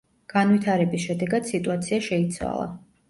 განვითარების შედეგად სიტუაცია შეიცვალა.